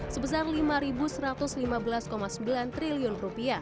sebesar rp lima satu ratus lima belas sembilan triliun